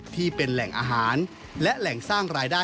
ที่เป็นแหล่งอาหารและแหล่งสร้างรายได้